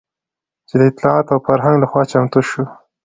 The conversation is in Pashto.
چې د اطلاعاتو او فرهنګ لخوا چمتو شوى